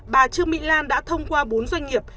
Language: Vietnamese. bà trương mỹ lan đã thông qua bốn doanh nghiệp